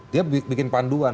dia bikin panduan